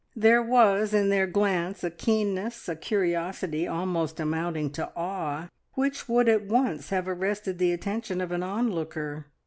There was in their glance a keenness, a curiosity, almost amounting to awe, which would at once have arrested the attention of an onlooker.